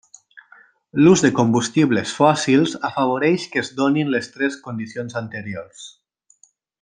L'ús de combustibles fòssils afavoreix que es donin les tres condicions anteriors.